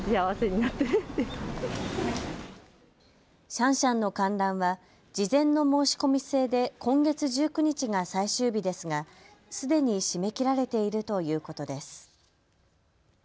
シャンシャンの観覧は事前の申し込み制で今月１９日が最終日ですがすでに締め切られているということです。